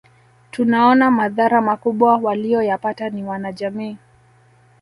Tunaona madhara makubwa waliyoyapata ni wanajamii